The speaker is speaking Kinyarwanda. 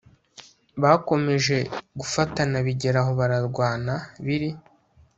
bakomeje gufatana bigeraho bararwana biri